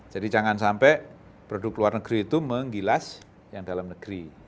jadi jangan sampai produk luar negeri itu menggilas yang dalam negeri